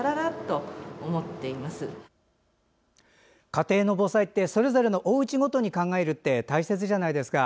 家庭の防災ってそれぞれのおうちごとに考えるって大切じゃないですか。